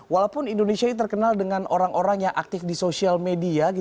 walaupun indonesia ini terkenal dengan orang orang yang aktif di sosial media